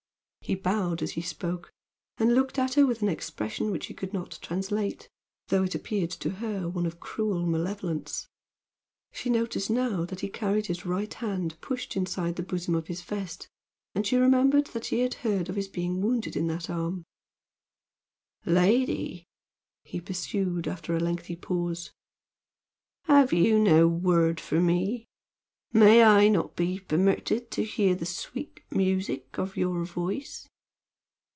He bowed as he spoke, and looked at her with an expression which she could not translate, though it appeared to her one of cruel malevolence. She noticed now that he carried his right hand pushed inside the bosom of his vest, and she remembered what she had heard of his being wounded in that arm. "Lady!" he pursued, after a lengthy pause, "have you no word for me? May I not be permitted to hear the sweet music of your voice?"